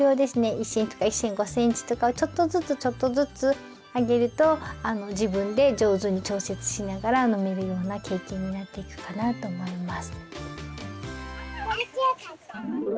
１センチとか１．５センチとかをちょっとずつちょっとずつあげると自分でじょうずに調節しながら飲めるような経験になっていくかなと思います。